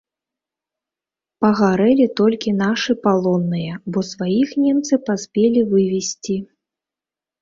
Пагарэлі толькі нашы палонныя, бо сваіх немцы паспелі вывезці.